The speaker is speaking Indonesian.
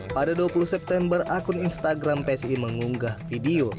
pada dua puluh september akun instagram psi mengunggah video